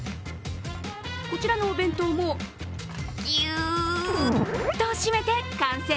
こちらのお弁当も、ギューと閉めて完成。